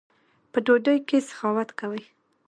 په ډوډۍ کښي سخاوت کوئ!